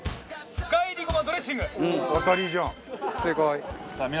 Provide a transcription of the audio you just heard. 深煎りごまドレッシング。